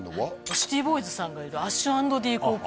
シティボーイズさんがいるＡＳＨ＆Ｄ